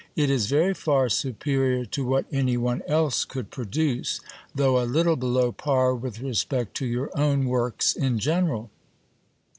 It is very far superior to what any one else could produce, though a little below par with respect to your own works in general.